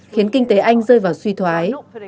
khiến kinh tế anh rơi vào suy thoái